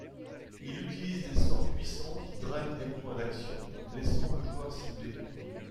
Il utilise des sorts puissants qui drainent des points d'action, blessant le joueur ciblé.